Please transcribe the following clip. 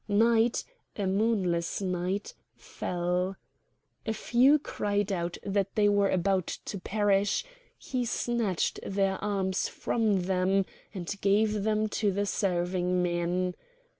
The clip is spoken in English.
Night—a moonless light—fell. A few cried out that they were about to perish; he snatched their arms from them, and gave them to the serving men.